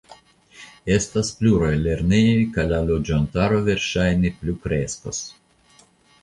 Estas pluraj lernejoj kaj la loĝantaro verŝajne plukreskos.